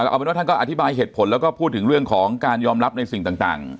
เอาเป็นว่าท่านก็อธิบายเหตุผลแล้วก็พูดถึงเรื่องของการยอมรับในสิ่งต่าง